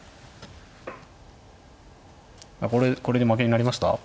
これこれで負けになりました？